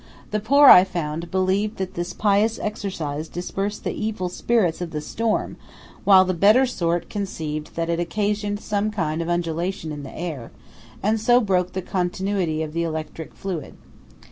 The poor, I found, believed that this pious exercise dispersed the evil spirits of the storm; while the better sort conceived that it occasioned some kind of undulation in the air, and so broke the continuity of the electric fluid.